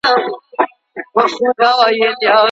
د خپلواکۍ ورځ نه هېریږي.